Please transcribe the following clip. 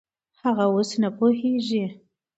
هغه اوس نه پوهېږي.